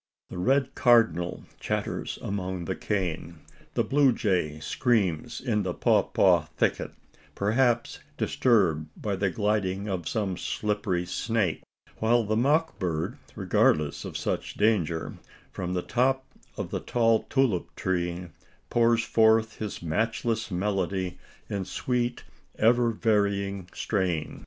The red cardinal chatters among the cane; the blue jay screams in the pawpaw thicket, perhaps disturbed by the gliding of some slippery snake; while the mock bird, regardless of such danger, from the top of the tall tulip tree, pours forth his matchless melody in sweet ever varying strain.